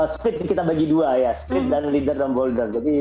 speed kita bagi dua ya split dan leader dan boulder